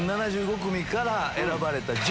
１０７５組から選ばれた。